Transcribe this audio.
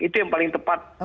itu yang paling tepat